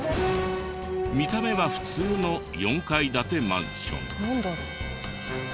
見た目は普通の４階建てマンション。